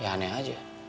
ya aneh aja